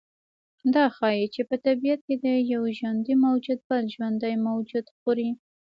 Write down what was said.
دا ښیي چې په طبیعت کې یو ژوندی موجود بل ژوندی موجود خوري